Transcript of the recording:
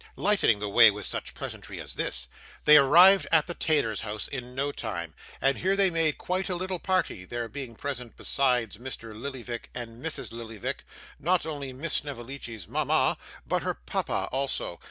Lightening the way with such pleasantry as this, they arrived at the tailor's house in no time; and here they made quite a little party, there being present besides Mr. Lillyvick and Mrs. Lillyvick, not only Miss Snevellicci's mama, but her papa also.